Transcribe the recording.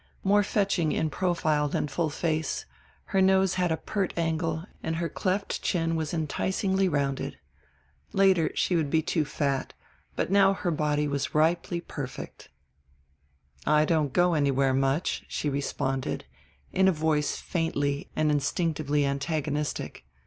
More fetching in profile than full face, her nose had a pert angle and her cleft chin was enticingly rounded. Later she would be too fat but now her body was ripely perfect. "I don't go anywhere much," she responded, in a voice faintly and instinctively antagonistic.